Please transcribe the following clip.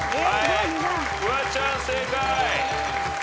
フワちゃん正解。